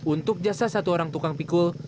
untuk jasa satu orang tukang pikul